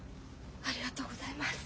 ありがとうございます。